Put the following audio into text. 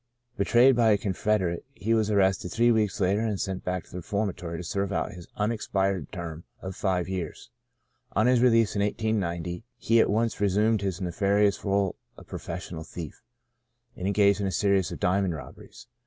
Betrayed by a confederate, he was arrested three weeks later and sent back to the reform atory to serve out his unexpired term of five years. On his release in 1890, he at once re sumed his nefarious role of professional thief, and engaged in a series of diamond robberies.